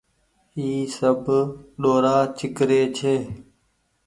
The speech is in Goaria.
اي سب ڏورآ ڇيڪري ڇي۔